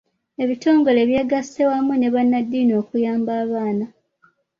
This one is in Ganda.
Ebitongole byegasse wamu ne bannaddiini okuyamba abaana.